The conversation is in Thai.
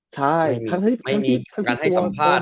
ใช่ทั้งกี่ตัวมึงมันเป็นสตาร์นะ